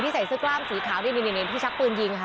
ใส่เสื้อกล้ามสีขาวนี่ที่ชักปืนยิงค่ะ